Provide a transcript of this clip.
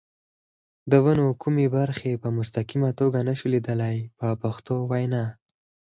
د ونو کومې برخې په مستقیمه توګه نشو لیدلای په پښتو وینا.